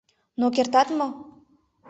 Но кертат мо?